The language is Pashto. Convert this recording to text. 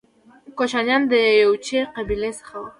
کوشانیان د یوچي قبیلې څخه وو